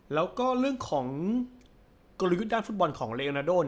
แล้วก็เรื่องของกลยุทธ์ด้านฟุตบอลของเลอนาโด